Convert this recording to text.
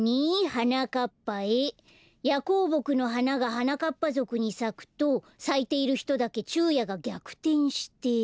「はなかっぱへヤコウボクのはながはなかっぱぞくにさくとさいているひとだけちゅうやがぎゃくてんして」。